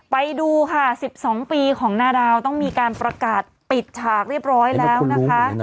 ไปดูค่ะ๑๒ปีของนาดาวต้องมีการประกาศปิดฉากเรียบร้อยแล้วนะคะ